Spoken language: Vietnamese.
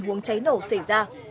muốn cháy nổ xảy ra